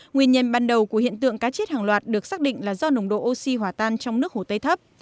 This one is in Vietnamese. nguyên nhân ban đầu của hiện tượng cá chết hàng loạt được xác định là do nồng độ oxy hỏa tan trong nước hồ tây thấp